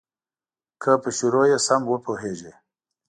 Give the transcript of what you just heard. که په شروع یې سم وپوهیږې.